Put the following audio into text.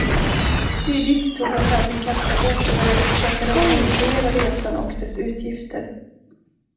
Lydigt tog hon fram sin kassabok och började försöka rekonstruera resan och dess utgifter.